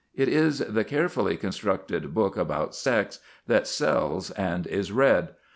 It is the carefully constructed book about sex that sells and is read.